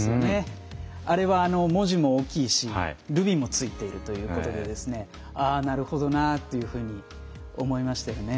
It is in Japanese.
あれは文字も大きいしルビもついているということでなるほどなというふうに思いましたよね。